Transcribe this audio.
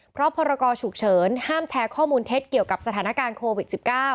เพราะพรกรฉุกเฉินห้ามแชร์ข้อมูลเท็จเกี่ยวกับสถานการณ์โควิด๑๙